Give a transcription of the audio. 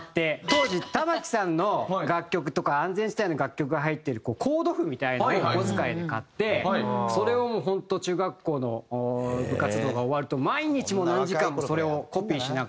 当時玉置さんの楽曲とか安全地帯の楽曲が入ってるコード譜みたいなのをお小遣いで買ってそれをもう本当中学校の部活動が終わると毎日もう何時間もそれをコピーしながら。